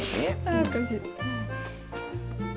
あおかしい。